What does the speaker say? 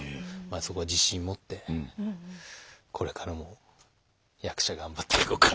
そこは自信持ってこれからも役者頑張っていこうかなみたいな。